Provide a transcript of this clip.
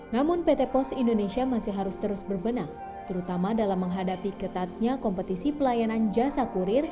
namun pt pos indonesia masih harus terus berbenah terutama dalam menghadapi ketatnya kompetisi pelayanan jasa kurir